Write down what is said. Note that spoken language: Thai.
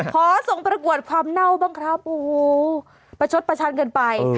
ขอส่งประกวดความเน่าบ้างครับโอ้โหประชดประชันกันไป